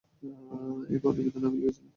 এই প্রতিবেদন আমি লিখেছিলাম।